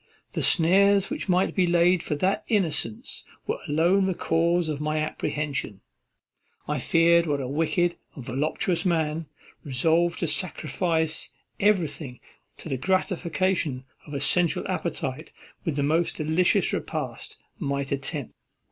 The snares which might be laid for that innocence were alone the cause of my apprehension. I feared what a wicked and voluptuous man, resolved to sacrifice everything to the gratification of a sensual appetite with the most delicious repast, might attempt.